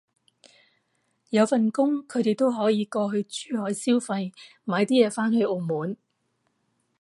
有份工，佢哋都可以過去珠海消費買啲嘢返去澳門